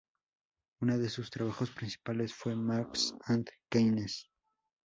Uno de sus trabajos principales fue "Marx and Keynes.